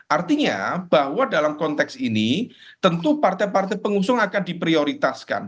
artinya bahwa dalam konteks ini tentu partai partai pengusung akan diprioritaskan